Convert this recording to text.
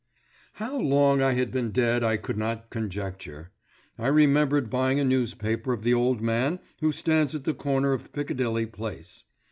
How long I had been dead I could not conjecture. I remembered buying a newspaper of the old man who stands at the corner of Piccadilly Place.